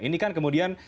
ini kan kemudian